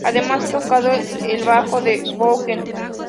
Además, ha tocado el bajo en Dokken.